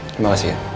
terima kasih ya